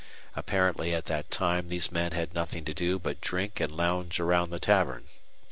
Apparently at that time these men had nothing to do but drink and lounge around the tavern.